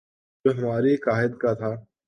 جو ہمارے قاہد کا تھا